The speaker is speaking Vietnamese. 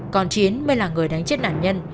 còn chiến mới là người đánh chết nạn nhân